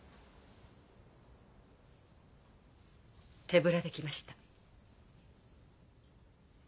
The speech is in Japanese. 手ぶらで来ました。